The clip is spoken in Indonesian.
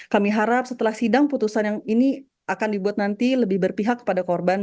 kami harap setelah sidang putusan yang ini akan dibuat nanti lebih berpihak kepada korban